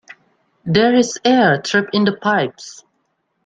There is air trapped in the pipes.